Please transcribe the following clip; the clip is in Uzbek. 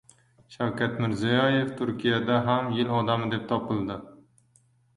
Shavkat Mirziyoyev Turkiyada ham yil odami deb topildi